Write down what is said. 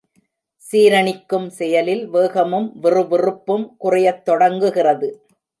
சீரணிக்கும் செயலில், வேகமும் விறுவிறுப்பும் குறையத் தொடங்குகிறது.